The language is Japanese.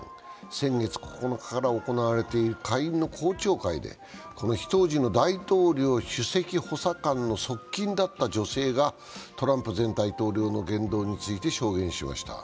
先月９日から行われている下院の公聴会でこの日、当時の大統領首席補佐官の側近だった女性がトランプ前大統領の言動について証言しました。